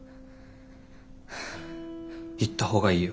行った方がいいよ。